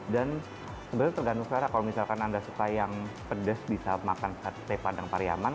dan sebenarnya tergantung secara kalau misalkan anda suka yang pedas bisa makan sate padang pariaman